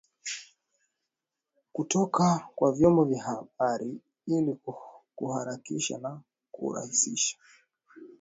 kutoka kwa vyombo habari ili kuharakisha na kurahisisha